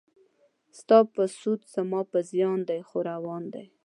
ستا په سود زما په زیان دی خو روان دی.